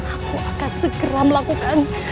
aku akan segera melakukan